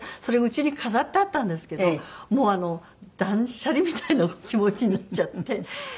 それうちに飾ってあったんですけどもう断捨離みたいな気持ちになっちゃって。